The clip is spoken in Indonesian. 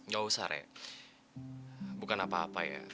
gak usah rek bukan apa apa ya